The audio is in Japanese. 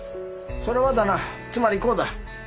それはだなつまりこうだ。